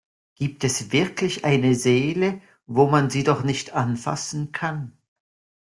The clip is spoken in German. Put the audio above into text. Gibt es wirklich eine Seele, wo man sie doch nicht anfassen kann?